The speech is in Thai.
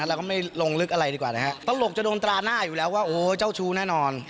เราก็ไม่ลงลึกอะไรดีกว่านะฮะตลกจะโดนตราหน้าอยู่แล้วว่าโอ้เจ้าชู้แน่นอน